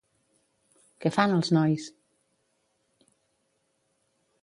Què fan els nois?